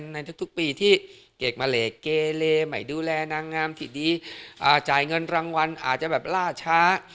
ในทุกปีที่เกรกเมลกเกเลไม่ดูแลนางงามที่ดีจ่ายเงินรางวัลอาจจะแบบล่าช้า